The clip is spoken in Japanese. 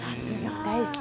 大好き。